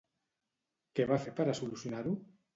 Què va fer per a solucionar-ho?